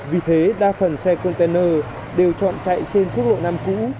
vì thế đa phần xe công tên lơ đều chọn chạy trên quốc lộ nam cũ